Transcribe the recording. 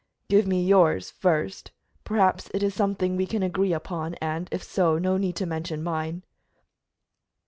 "Give me yours first. Perhaps it is something that we can agree upon, and, if so, no need to mention mine."